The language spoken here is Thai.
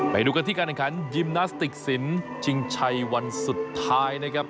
ไปดูกันที่การแข่งขันยิมนาสติกสินชิงชัยวันสุดท้ายนะครับ